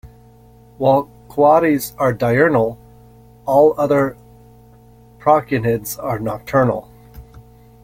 While coatis are diurnal, all other procyonids are nocturnal.